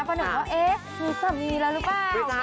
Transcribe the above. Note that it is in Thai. เพราะหนึ่งว่าเอ๊ะมีศัพท์ดีแล้วหรือเปล่า